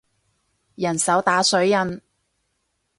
人手打水印